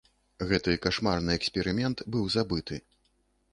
Гэты кашмарны эксперымент быў забыты.